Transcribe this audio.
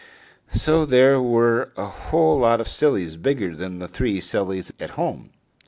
So there were a whole lot of sillies bigger than the three sillies at home.